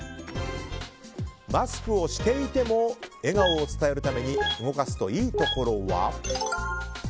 マスクをしていても笑顔を伝えるために動かすといいところは。